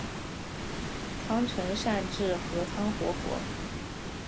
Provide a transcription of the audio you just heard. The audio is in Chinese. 仓成善智合仓活佛。